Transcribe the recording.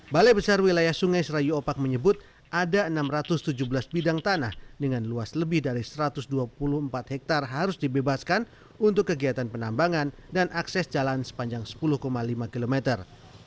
balai besar wilayah sungai serayu opak menyebut ada enam ratus tujuh belas bidang tanah dengan luas lebih dari satu ratus dua puluh empat hektare harus dibebaskan untuk kegiatan penambangan dan akses jalan sepanjang sepuluh lima kilometer